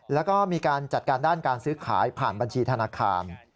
แล้วก็มีการจัดการด้านการซื้อขายผ่านบัญชีธนาคาร